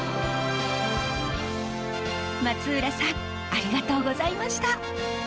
松浦さんありがとうございました。